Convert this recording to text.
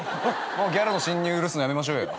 もうギャルの侵入許すのやめましょうよ。